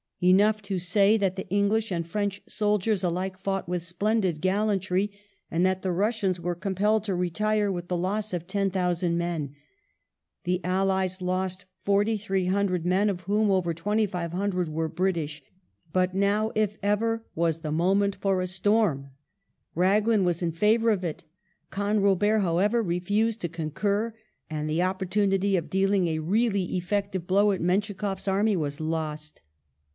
Enough to say that the English and French soldiers alike fought with splendid gallantry, and that the Russians were compelled to retire with the loss of 10,000 men. The allies lost 4,300 men, of whom over 2,500 were British. But now, if ever, was the moment for a storm. Raglan was in favour of it; Canrobert, however, refused to concur, and the opportunity of dealing a really effective blow at Menschikoffs army was lost.